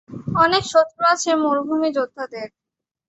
অনেক শত্রু আছে মরুভূমি যোদ্ধাদের।